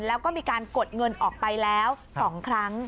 แล้วก็มีการกดเงินออกไปแล้ว๒ครั้ง